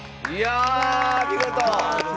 見事！